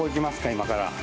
今から。